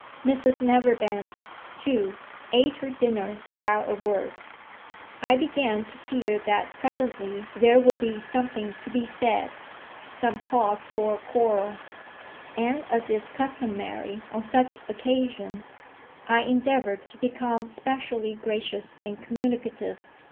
Mrs Neverbend, too, ate her dinner without a word. I began to fear that presently there would be something to be said, some cause for a quarrel; and as is customary on such occasions, I endeavoured to become specially gracious and communicative.